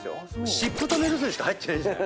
湿布と目薬しか入ってないんじゃない？